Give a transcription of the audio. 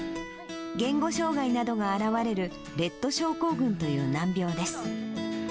言語障がいなどが表れるレット症候群という難病です。